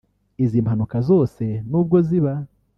Izi mpanuka zose n’ubwo ziba